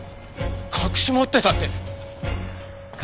隠し持ってたって！